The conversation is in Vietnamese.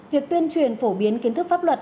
việc tuyên truyền phổ biến kiến thức pháp luật